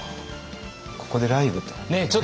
ここでライブとか。